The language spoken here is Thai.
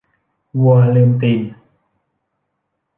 วัวลืมตีน